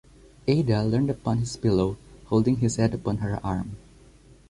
Ada leaned upon his pillow, holding his head upon her arm.